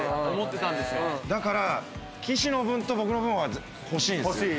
だから岸の分と僕の分は欲しいんですよ。